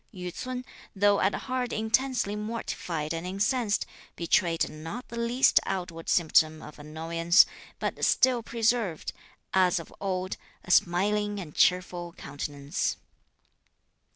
Yü ts'un, though at heart intensely mortified and incensed, betrayed not the least outward symptom of annoyance, but still preserved, as of old, a smiling and cheerful countenance.